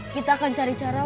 kita akan cari cara